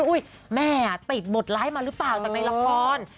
อุ๊ยแม่ติดบทไลท์มาหรือเปล่าในละคร